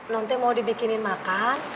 nonte mau dibikinin makan